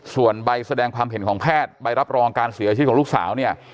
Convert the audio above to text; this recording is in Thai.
ส่วนใบแสดงความเห็นของแพทย์ใบรับรองการเสียชีวิตของลูกสาวเนี่ย